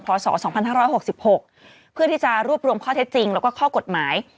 ศ๒๕๖๖เพื่อที่จะรวบรวมข้อเท็จจริงแล้วก็ข้อกฎหมาย